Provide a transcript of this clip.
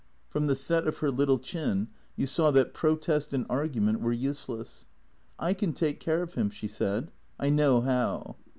From the set of her little chin you saw that protest and argu ment were useless. " I can take care of him," she said. " I know how."